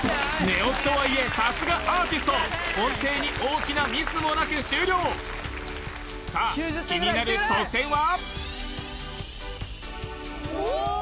寝起きとはいえさすがアーティスト音程に大きなミスもなく終了さあ気になる得点は？